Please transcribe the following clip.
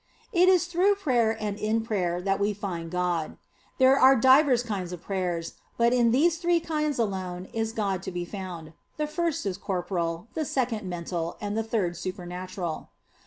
It is through prayer and in prayer that we find God. There are divers kinds of prayer, but in these three kinds alone is God to be found. The first is corporal, the second mental, and the third supernatural.